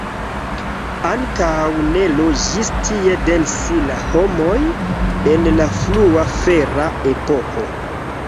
Ankaŭ ne loĝis tie dense la homoj en la frua fera epoko.